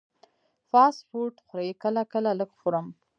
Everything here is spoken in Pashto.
فاسټ فوډ خورئ؟ کله کله، لږ خورم